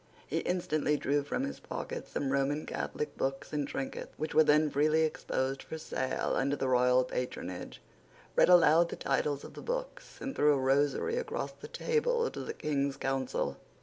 He instantly drew from his pocket some Roman Catholic books and trinkets which were then freely exposed for sale under the royal patronage, read aloud the titles of the books, and threw a rosary across the table to the King's counsel.